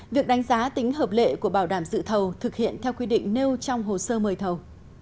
việc đánh giá tính hợp lệ của bảo đảm dự thầu thực hiện theo quy định nêu trong hồ sơ mời thầu